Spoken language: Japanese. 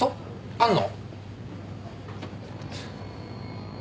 あんの？